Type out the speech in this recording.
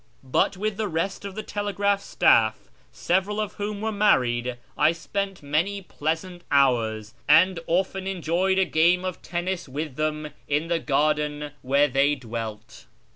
But with the rest of the telegraph staff, several of whom were married, I spent many pleasant hours, and often enjoyed a game of tennis with them in the garden where they dwelt.